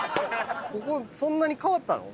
ここそんなに変わったの？